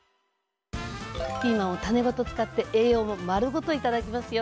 ピーマンを種ごと使って栄養も丸ごといただきますよ。